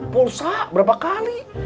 pulsa berapa kali